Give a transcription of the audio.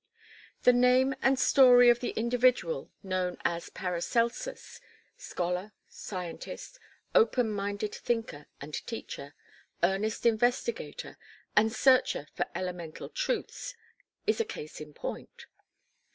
The name and story of the individual known as Paracelsus scholar, scientist, open minded thinker and teacher, earnest investigator and searcher for elemental truths is a case in point.